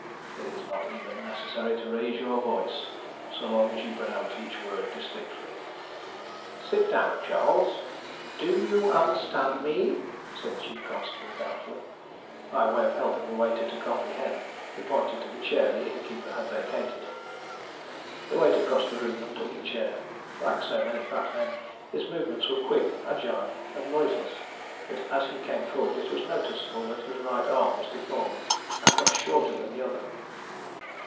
It is not even necessary to raise your voice, so long as you pronounce each word distinctly." "Sit down, Charles do you understand me?" said the chief constable doubtfully. By way of helping the waiter to comprehend he pointed to the chair the innkeeper had vacated. The waiter crossed the room and took the chair. Like so many fat men, his movements were quick, agile, and noiseless, but as he came forward it was noticeable that his right arm was deformed, and much shorter than the other.